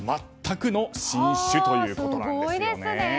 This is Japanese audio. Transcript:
全くの新種ということなんです。